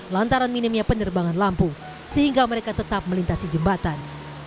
lantaran minimnya penerbangan lampu sehingga mereka tetap melintasi jembatan